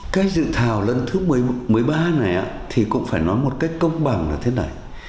cái dự thảo lần thứ một mươi ba này thì cũng phải nói một cách công bằng là thế này